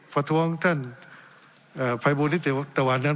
ประท้วงท่านภัยบูลนิติวตะวันนั้น